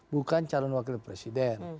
bukan calon wakil presiden